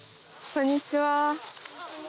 こんにちは。